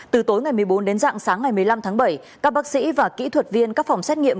từ tối ngày một mươi bốn đến dạng sáng ngày một mươi năm tháng bảy các bác sĩ và kỹ thuật viên các phòng xét nghiệm